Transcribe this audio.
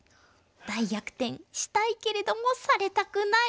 大逆転したいけれどもされたくない。